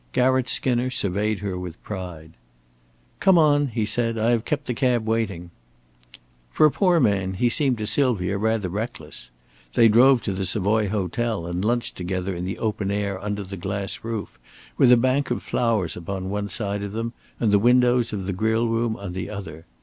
Garratt Skinner surveyed her with pride. "Come on," he said. "I have kept the cab waiting." For a poor man he seemed to Sylvia rather reckless. They drove to the Savoy Hotel and lunched together in the open air underneath the glass roof, with a bank of flowers upon one side of them and the windows of the grill room on the other.